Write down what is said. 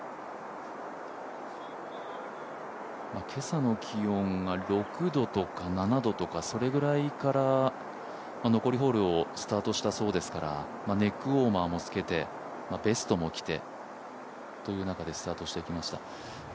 今朝の気温が６度とか７度とか、それぐらいから残りホールをスタートしたそうですからネックウォーマーも着けて、ベストも着てという中でスタートしてきました。